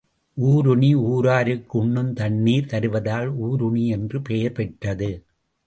ஊருணி ஊராருக்கு உண்ணும் தண்ணீர் தருவதால் ஊருணி என்று பெயர் பெற்றது.